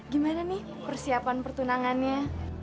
gimana nih persiapan pertunangannya